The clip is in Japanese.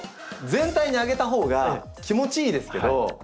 全体にあげたほうが気持ちいいですけど。